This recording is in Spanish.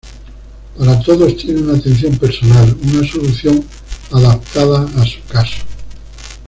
Para todos tiene una atención personal, una solución adaptada a su caso.